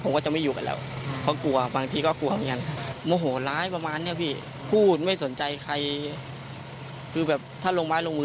ก็น่าจะมีความเกี่ยวข้องกับสภาพ